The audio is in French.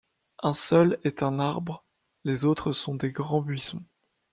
Un seul est un arbre, les autres sont de grands buissons.